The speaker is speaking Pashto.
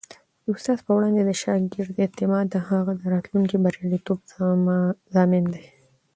د استاد پر وړاندې د شاګرد اعتماد د هغه د راتلونکي بریالیتوب ضامن دی.